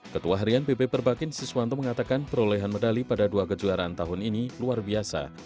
ketua harian pp perbakin siswanto mengatakan perolehan medali pada dua kejuaraan tahun ini luar biasa